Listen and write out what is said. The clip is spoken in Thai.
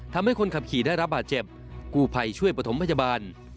ช่วยคนขับขี่ได้รับบาดเจ็บกูภัยช่วยปฐมพยาบาล